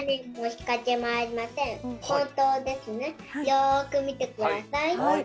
よく見てください。